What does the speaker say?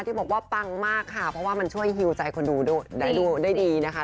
ที่บอกว่าปังมากค่ะเพราะว่ามันช่วยฮิวใจคนดูได้ดีนะคะ